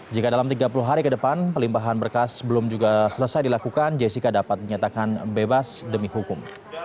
jika dalam tiga puluh hari ke depan pelimpahan berkas belum juga selesai dilakukan jessica dapat dinyatakan bebas demi hukum